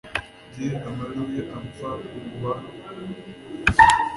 Nzi amajwi apfa kugwa kugwa